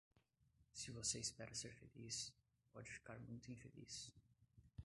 Se você espera ser feliz, pode ficar muito infeliz.